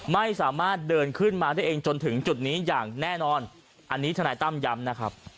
ไม่สามารถเดินขึ้นมาได้เองจนถึงจุดนี้อย่างแน่นอนอันนี้ทนายตั้มย้ำนะครับ